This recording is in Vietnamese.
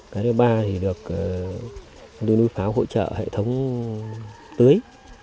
cái thứ ba thì được đưa núi pháo hỗ trợ hệ thống tưới